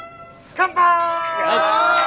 乾杯！